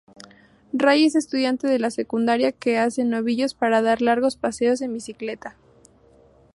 Rai es estudiante de secundaria que hace novillos para dar largos paseos en bicicleta.